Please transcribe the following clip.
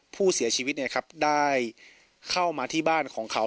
ผู้เสียชีวิตเนี่ยครับได้เข้ามาที่บ้านของเขา